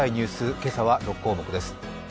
今朝は６項目です。